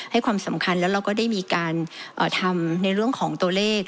ให้ความสำคัญและได้มีการทำในเรื่องตัวเลข